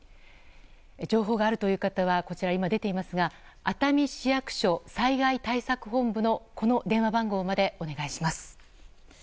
情報があるという方はこちら、今出ていますが熱海市役所災害対策本部の電話番号までお願いします。